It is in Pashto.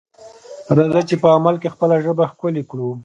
راځئ چې په عمل کې خپله ژبه ښکلې کړو.